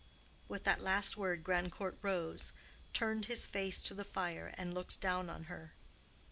With that last word Grandcourt rose, turned his back to the fire and looked down on her.